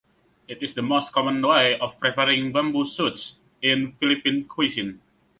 It is the most common way of preparing bamboo shoots in Philippine cuisine.